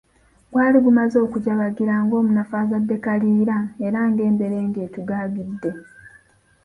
Gwali gumaze okujabagira ng'omunafu azadde kaliira era ng'emberenge etugagidde.